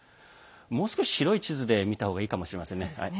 もう少し広い地図で見たほうがいいかもしれません。